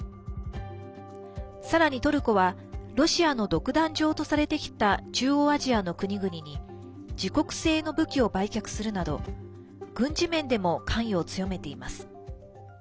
さらにトルコはロシアの独壇場とされてきた中央アジアの国々に自国製の武器を売却するなど軍事面でも関与を強めています。